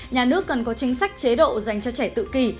nhà nước cần có chính sách chế độ dành cho trẻ tự kỳ